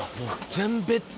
全ベッド？